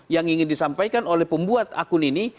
yang ingin disampaikan oleh pembuat akun ini